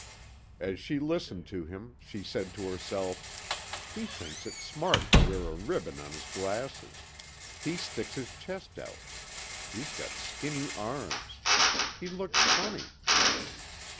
As she listened to him she said to herself, "... he thinks it's smart to wear a ribbon on his glasses ... he sticks his chest out ... he's got skinny arms ... he looks funny...."